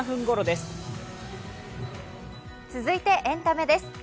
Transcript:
続いてエンタメです。